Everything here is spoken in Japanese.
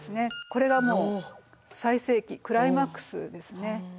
これがもう最盛期クライマックスですね。